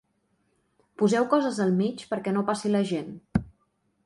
Poseu coses al mig perquè no passi la gent.